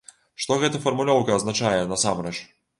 Што гэтая фармулёўка азначае насамрэч?